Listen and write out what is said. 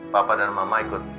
papa dan mama ikut